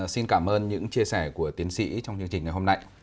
xin cảm ơn những chia sẻ của tiến sĩ trong chương trình ngày hôm nay